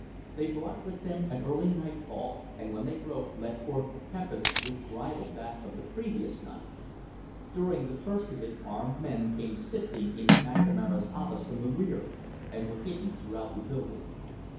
They brought with them an early nightfall, and when they broke let forth a tempest which rivalled that of the previous night. During the first of it armed men came sifting into McNamara's office from the rear and were hidden throughout the building.